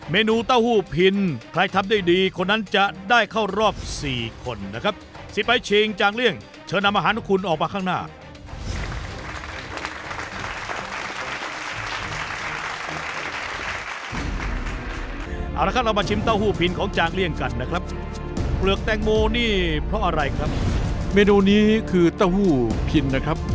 เมนูเต้าหู้พินใครทำได้ดีคนนั้นจะได้เข้ารอบ๔คนนะครับ